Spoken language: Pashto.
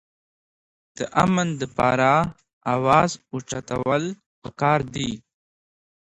د امن دپاره اواز اوچتول پکار دي